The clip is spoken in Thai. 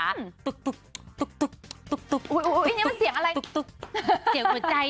อุ้ยนี่มันเสียงอะไร